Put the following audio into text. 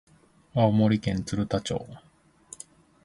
青森県鶴田町